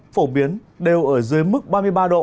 phổ biến đều ở dưới mức ba mươi ba độ